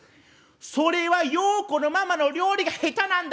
「それはようこのママの料理が下手なんだよ！」。